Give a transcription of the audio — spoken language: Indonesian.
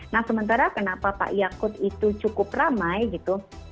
nah sementara kenapa pak yakut itu cukup ramai gitu